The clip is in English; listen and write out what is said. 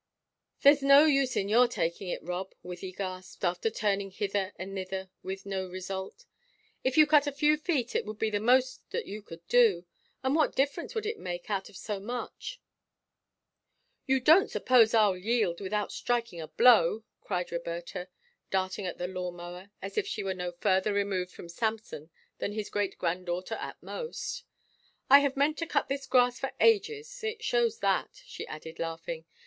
"There's no use in your taking it, Rob," Wythie gasped, after turning hither and thither with no result. "If you cut a few feet it would be the most that you could do, and what difference would it make out of so much?" "You don't suppose I'll yield without striking a blow?" cried Roberta, darting at the lawn mower as if she were no further removed from Samson than his great granddaughter at most. "I have meant to cut this grass for ages it shows that," she added, laughing.